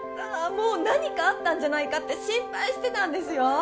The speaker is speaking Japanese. もう何かあったんじゃないかって心配してたんですよ！